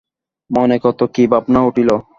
মনে কত কি ভাবনা উঠিল।